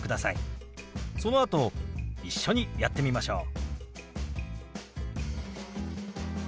そのあと一緒にやってみましょう。